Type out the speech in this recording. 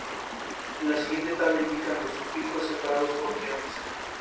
En la siguiente tabla se indican los sufijos separados por guiones.